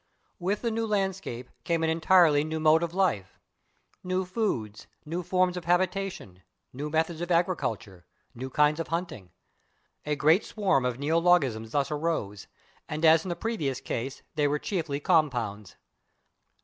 With the new landscape came an entirely new mode of life new foods, new forms of habitation, new methods of agriculture, new kinds of hunting. A great swarm of neologisms thus arose, and, as in the previous case, they were chiefly compounds.